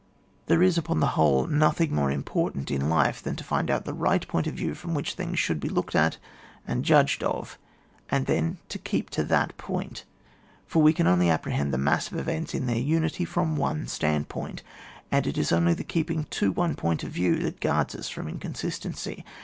There is, upon the whole, nothing more important in life than to find out the right point of view from which things should be looked at and judged of, and then to keep to that point; for we can only apprehend the mass of events in their unity from one standpoint ; and it is only the keeping to one point of view that guards us from inconsistency.